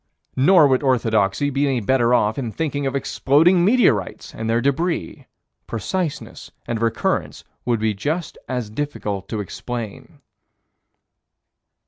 Nor would orthodoxy be any better off in thinking of exploding meteorites and their débris: preciseness and recurrence would be just as difficult to explain.